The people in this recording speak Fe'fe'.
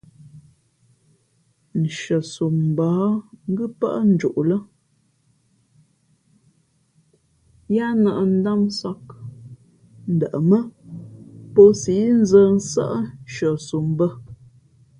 Hʉαsom mbα̌h ngʉ́ pάʼ njoʼ lά yáá nᾱp ndámsāk, ndαʼmά pō síʼ nzᾱ nsάʼ nshʉαsom bᾱ.